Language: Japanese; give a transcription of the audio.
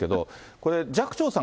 これ、寂聴さん